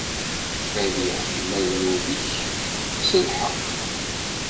Ad iḥkem agdud-ik s lḥeqq.